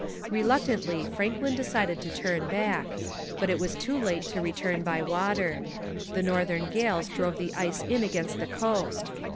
Reluctantly, Franklin decided to turn back. But it was too late to return by water. The northern gales drove the ice in against the coast.